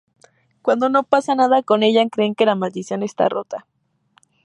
Cuando no pasa nada con ella, creen que la maldición está rota.